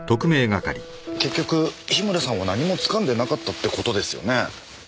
結局樋村さんは何もつかんでなかったって事ですよね。